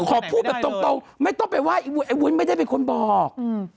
ขอพูดแบบตรงไม่ต้องไปไห้อไอ้วุ้นไม่ได้เป็นคนบอก